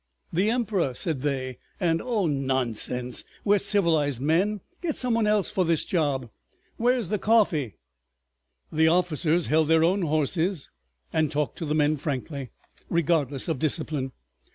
"The Emperor!" said they; and "Oh, nonsense! We're civilized men. Get some one else for this job! ... Where's the coffee?" The officers held their own horses, and talked to the men frankly, regardless of discipline.